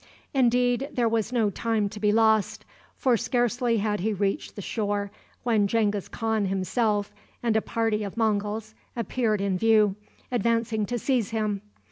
Indeed, there was no time to be lost; for scarcely had he reached the shore when Genghis Khan himself, and a party of Monguls, appeared in view, advancing to seize him.